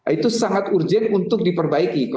itu sangat urgent untuk diperbaiki